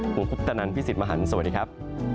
ผมคุปตะนันพี่สิทธิ์มหันฯสวัสดีครับ